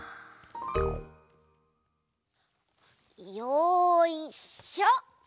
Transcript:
よいしょ！